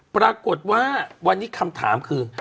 ปรากฏว่าวันนี้คำถามคือ